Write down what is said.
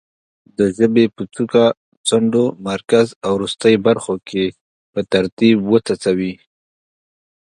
د ژبې په څوکه، څنډو، مرکز او وروستۍ برخو کې په ترتیب وڅڅوي.